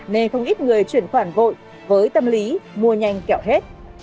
nên không ít người chuyển khoản vội với tâm lý mua nhanh kẹo hết